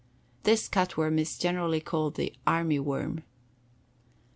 This cut worm is generally called the "army worm."